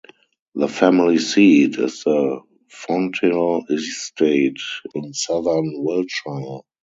The family seat is the Fonthill estate in southern Wiltshire.